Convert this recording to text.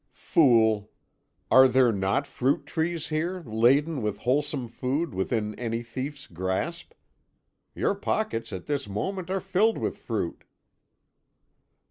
"Fool! Are there not fruit trees here, laden with wholesome food, within any thief's grasp? Your pockets at this moment are filled with fruit."